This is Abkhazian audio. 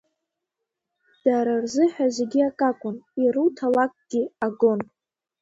Дара рзыҳәа зегьы акакәын, ируҭалакгьы агон…